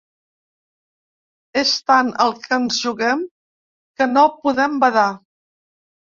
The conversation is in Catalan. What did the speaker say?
És tant el que ens juguem que no podem badar.